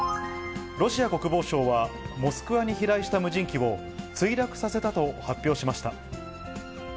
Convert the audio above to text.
ロシア国防省は、モスクワに飛来した無人機を墜落させたと発表しました。